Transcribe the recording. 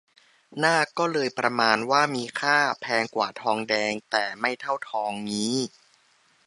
นากก็เลยประมาณว่ามีค่า แพงกว่าทองแดงแต่ไม่เท่าทองงี้